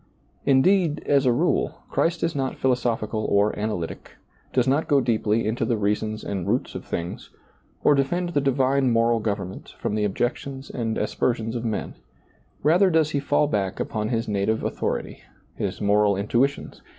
Indeed, as a rule, Christ is not philosophical or analytic, does not go deeply into the reasons and roots of things, or defend the divine moral government from the objections and aspersions of men ; rather does He fall back upon His native authority, His moral intuitions.